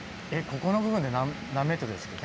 ここの部分で何ｍでしたっけ？